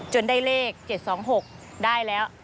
ได้เลข๗๒๖ได้แล้ว